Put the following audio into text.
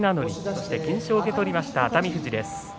そして懸賞を受け取りました熱海富士です。